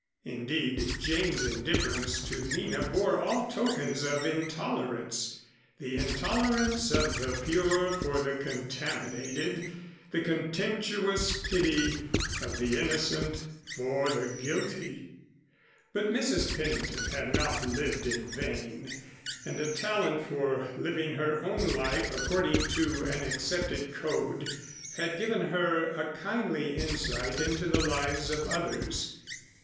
Indeed, Jane's indifference to Nina bore all tokens of intolerance, the intolerance of the pure for the contaminated, the contemptuous pity of the innocent for the guilty. But Mrs. Pennington had not lived in vain, and a talent for living her own life according to an accepted code, had given her a kindly insight into the lives of others.